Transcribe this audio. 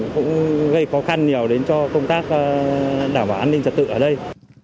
cũng gây khó khăn nhiều đến cho công tác đảm bảo an ninh trật tự ở đây